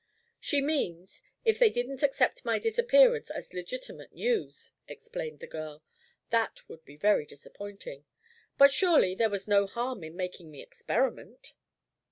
"She means, if they didn't accept my disappearance as legitimate news," explained the girl "That would be very disappointing. But surely there was no harm in making the experiment."